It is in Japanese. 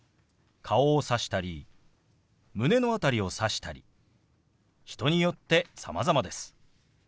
顔をさしたり胸の辺りをさしたり人によってさまざまです。